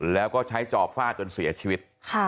แล้วก็ใช้จอบฟาดจนเสียชีวิต